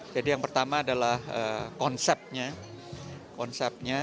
jadi yang pertama adalah konsepnya